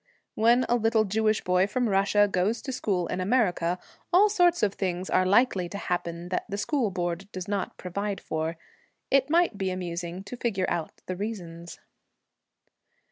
When a little Jewish boy from Russia goes to school in America, all sorts of things are likely to happen that the School Board does not provide for. It might be amusing to figure out the reasons.